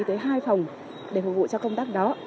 tới hai phòng để phục vụ cho công tác đó